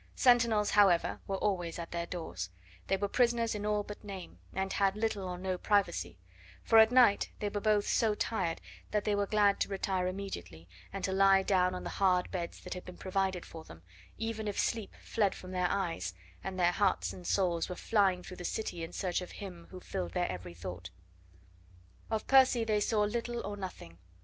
Sentinels, however, were always at their doors; they were prisoners in all but name, and had little or no privacy; for at night they were both so tired that they were glad to retire immediately, and to lie down on the hard beds that had been provided for them, even if sleep fled from their eyes, and their hearts and souls were flying through the city in search of him who filled their every thought. Of Percy they saw little or nothing.